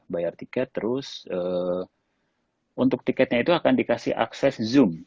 bayar tiket terus untuk tiketnya itu akan dikasih akses zoom